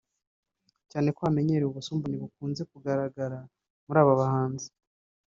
cyane ko hamenyerewe ubusumbane bukunze kugaragara muri aba bahanzi